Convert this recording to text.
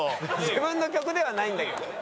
自分の曲ではないんだけどね。